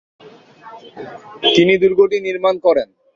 তিনি দুর্গটি নির্মাণ করেন।